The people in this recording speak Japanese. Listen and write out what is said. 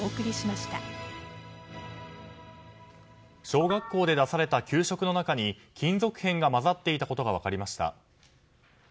小学校で出された給食の中に金属片が混ざっていたことが分かりました。